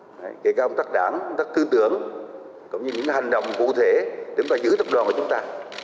kể cả công tác đảng công tác tư tưởng cũng như những hành động cụ thể để chúng ta giữ tập đoàn của chúng ta